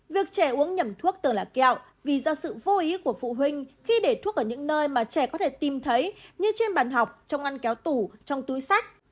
việc trẻ uống nhậm thuốc tưởng là kẹo vì do sự vô ý của phụ huynh khi để thuốc ở những nơi mà trẻ có thể tìm thấy như trên bàn học trong ngăn kéo tủ trong túi sách